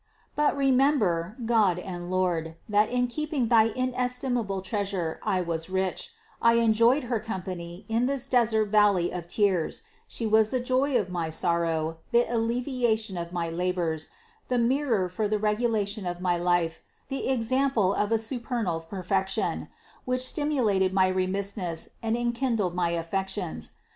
But remember, God and Lord, that in the keeping of thy inestimable Treasure I was rich; I enjoyed her company in this desert valley of tears, She was the joy of my sorrow, the alleviation of my labors, the mirror for the regulation of my life, the example of a supernal perfection, which stimulated my remissness and enkindled my affections.